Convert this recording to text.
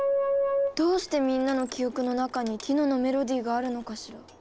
どうしてみんなの記憶の中にティノのメロディーがあるのかしら？